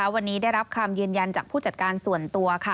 วันนี้ได้รับคำยืนยันจากผู้จัดการส่วนตัว